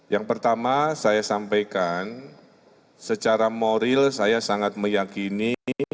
yang pertama saya sampaikan secara moral saya sangat meyakini